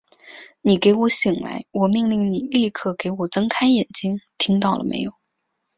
你给我醒来！我命令你立刻给我睁开眼睛，听到了没有！